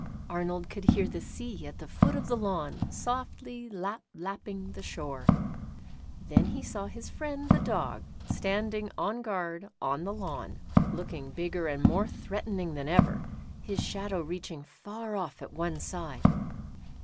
Arnold could hear the sea at the foot of the lawn softly "lap lapping" the shore. Then he saw his friend, the Dog, standing on guard, on the lawn, looking bigger and more threatening than ever, his shadow reaching far off at one side.